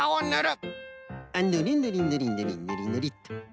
あっぬりぬりぬりぬりぬりぬりっと。